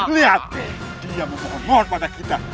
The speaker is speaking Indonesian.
lihat dia memohon maaf pada kita